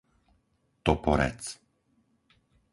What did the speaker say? Toporec